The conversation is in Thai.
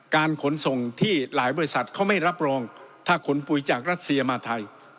ขนส่งที่หลายบริษัทเขาไม่รับรองถ้าขนปุ๋ยจากรัสเซียมาไทย